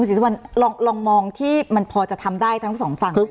คุณศรีสวรรค์ลองมองที่มันพอจะทำได้ทั้งสองฝั่งเลยได้ไหมคะ